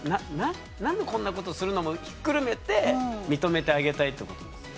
何でこんなことするの？もひっくるめて認めてあげたいってことですよね。